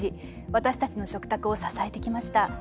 私たちの食卓を支えてきました。